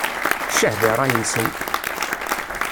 Ccah di ṛṛay-nsen!